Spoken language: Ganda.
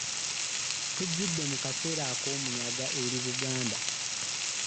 Kujjidde mu kaseera ak’omuyaga eri Buganda